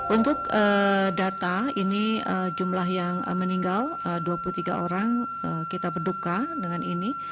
untuk data ini jumlah yang meninggal dua puluh tiga orang kita berduka dengan ini